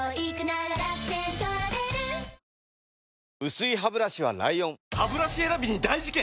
薄いハブラシは ＬＩＯＮハブラシ選びに大事件！